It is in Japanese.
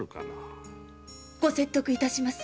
ご説得いたします。